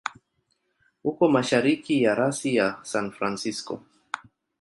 Uko mashariki ya rasi ya San Francisco.